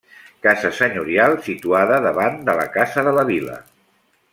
Casa senyorial situada davant de la casa de la Vila.